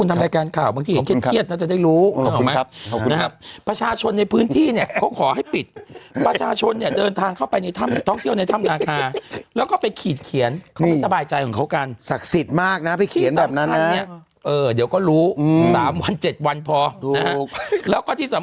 มันมีตรงตลอดทางมันมีคนเขียนจนแบบว่า